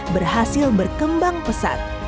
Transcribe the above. berhasil berkembang pesat